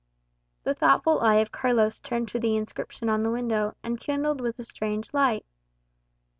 The thoughtful eye of Carlos turned to the inscription on the window, and kindled with a strange light.